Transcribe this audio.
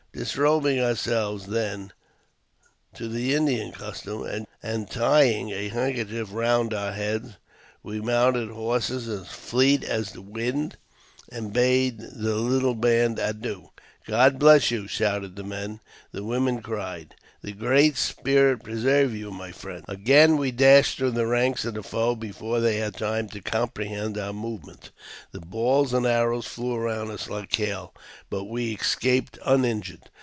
Disrobing ourselves, then, to the Indian costume, and tying a handkerchief round our heads, we mounted horses as fleet as the wind, and bade the little band adieu. " God bless you !" shouted the men ; the women cried, " The Great Spirit preserve you, my friends." Again we dashed through the ranks of the foe before they had time to comprehend our movement. The balls and arrows flew around us like hail, but we escaped uninjured.